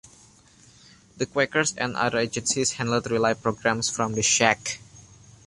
The Quakers and other agencies handled relief programs from The Shack.